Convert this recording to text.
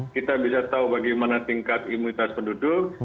kita bisa tahu bagaimana tingkat imunitas penduduk